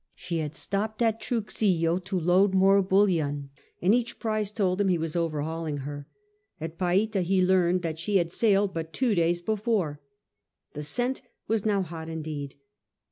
She had stopped at Tnmllo to load more bullion, and each prize told him he was overhauling her. At Paita he learnt she had sailed but two days befora The scent was now hot indeed.